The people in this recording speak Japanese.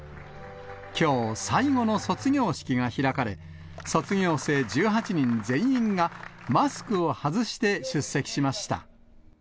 きょう、最後の卒業式が開かれ、卒業生１８人全員が、マスクを外して出席しました。